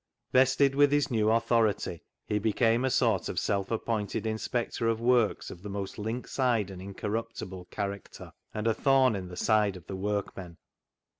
Vested with his new authority, he became a sort of self appointed inspector of works of the most lynx eyed and incorruptible character, and a thorn in the side of the workmen.